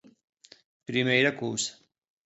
Primeira cousa.